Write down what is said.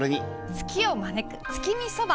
ツキを招く月見そば！